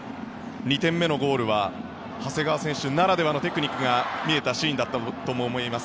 ２点目のゴールは長谷川選手ならではのテクニックが見えたシーンだったと思います。